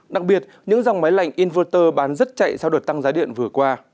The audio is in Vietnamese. đặc biệt những dòng máy lạnh inverter bán rất chạy sau đợt tăng giá điện vừa qua